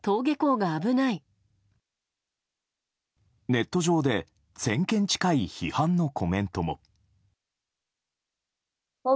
ネット上で１０００件近い批判のコメントも。